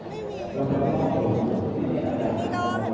ไม่มีหนูเดียวอีกนิดหรอก